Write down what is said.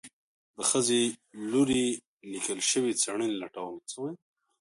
د ښځې لوري ليکل شوي څېړنې لټوم